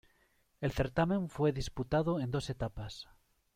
El certamen fue disputado en dos etapas.